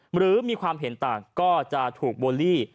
หรือมีความเห็นต่างก็จะถูกโบลลี่